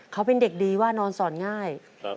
เขาเป็นเด็กดีว่านอนสอนง่าย